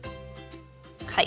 はい。